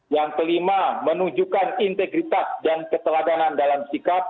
yang kelima menunjukkan integritas dan keteladanan dalam sikap